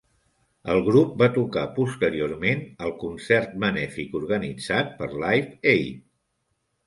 El grup va tocar posteriorment al concert benèfic organitzat per Live Aid.